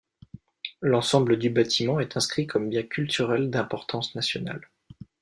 L'ensemble du bâtiment est inscrit comme bien culturel d'importance nationale.